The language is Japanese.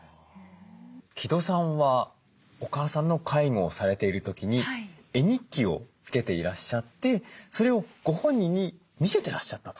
城戸さんはおかあさんの介護をされている時に絵日記をつけていらっしゃってそれをご本人に見せてらっしゃったと。